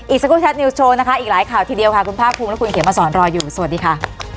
อีกสักครู่แท็ตนิวส์โชว์นะคะอีกหลายข่าวทีเดียวค่ะคุณภาคภูมิและคุณเขียนมาสอนรออยู่สวัสดีค่ะ